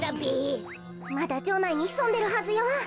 まだじょうないにひそんでるはずよ。